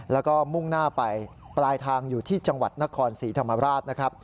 แล้วก็มุ่งหน้าไปปลายทางอยู่ที่จังหวัดนครศรีธรรมราชนะครับ